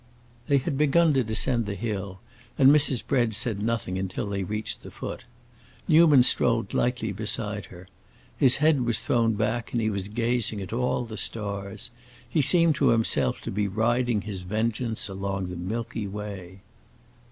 They had begun to descend the hill, and Mrs. Bread said nothing until they reached the foot. Newman strolled lightly beside her; his head was thrown back and he was gazing at all the stars; he seemed to himself to be riding his vengeance along the Milky Way.